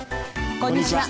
こんにちは。